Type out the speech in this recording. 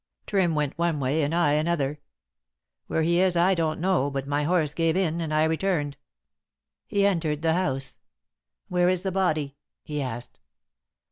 Trim went one way and I another. Where he is I don't know, but my horse gave in, and I returned." He entered the house. "Where is the body?" he asked.